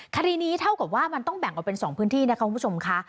คดีนี้เท่ากับว่ามันต้องแบ่งออกเป็น๒พื้นที่นะคะคุณผู้ชมค่ะ